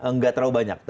nggak terlalu banyak